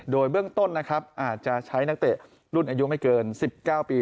โดยเบื้องต้นนะครับอาจจะใช้นักเตะรุ่นอายุไม่เกิน๑๙ปี